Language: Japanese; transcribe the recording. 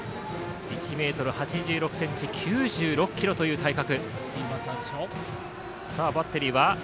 １ｍ８６ｃｍ９６ｋｇという体格。